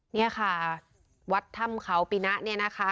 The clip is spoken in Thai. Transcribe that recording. นี่ค่ะวัดถ้ำเขาปิณะ